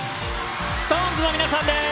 ＳｉｘＴＯＮＥＳの皆さんです。